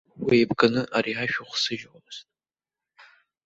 Уеибганы ари ашә ухсыжьуамызт.